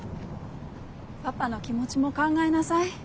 パパの気持ちも考えなさい。